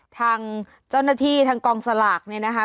ทางเจ้าหน้าที่ทางกองสลากเนี่ยนะคะ